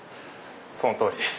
その通りです。